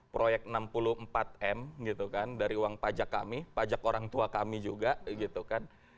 proyek enam puluh empat m gitu kan dari uang pajak kami pajak orang tua kami juga gitu kan